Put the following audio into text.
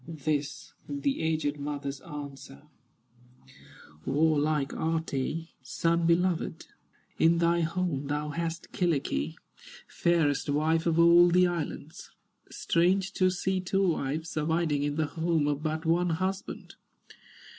This the aged mother's answer: "Warlike Athi, son beloved, In thy home thou hast Kyllikki, Fairest wife of all the islands; Strange to see two wives abiding In the home of but one husband."